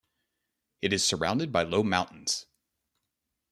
It is surrounded by low mountains.